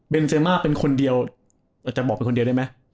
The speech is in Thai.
เป็นเจม่าเป็นคนเดียวอาจจะบอกเป็นคนเดียวได้ไหม